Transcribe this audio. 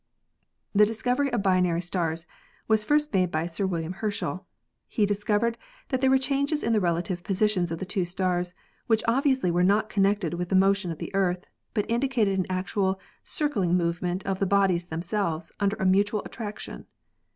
The discovery of binary stars was first made by Sir William Herschel. He discov ered that there were changes in the relative positions of the two stars which obviously were not connected with the motion of the Earth, but indicated an actual circling move ment of the bodies themselves under a mutual attraction.